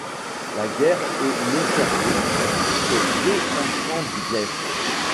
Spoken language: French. La guerre et l’échafaud, ces deux tranchants du glaive